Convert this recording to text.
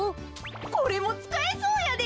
これもつかえそうやで。